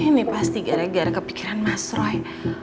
ini pasti gara gara kepikiran mas roy